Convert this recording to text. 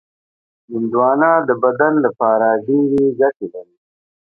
هندوانه د بدن لپاره ډېرې ګټې لري.